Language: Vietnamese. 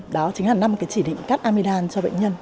đó chính là năm cái chỉ định cắt amidam cho bệnh nhân